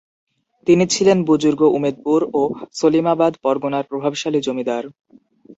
তিনি ছিলেন বুযুর্গ উমেদপুর ও সলিমাবাদ পরগনার প্রভাবশালী জমিদার।